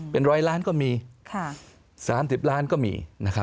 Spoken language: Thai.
เป็น๑๐๐ล้านก็มี๓๐ล้านก็มี